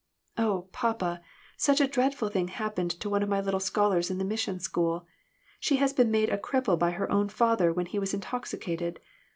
Oh, papa, such a dreadful thing happened to one of my little scholars in the mission school ! She has been made a cripple by her own father, when he was intoxicated.